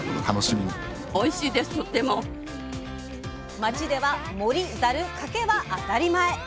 町ではもりざるかけは当たり前！